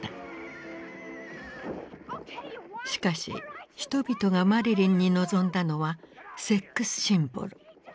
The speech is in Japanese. しかし人々がマリリンに望んだのはセックス・シンボル。